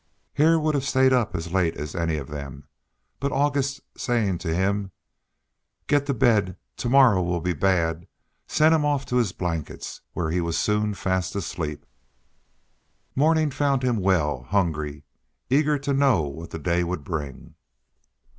Hare would have stayed up as late as any of them, but August's saying to him, "Get to bed: to morrow will be bad!" sent him off to his blankets, where he was soon fast asleep. Morning found him well, hungry, eager to know what the day would bring.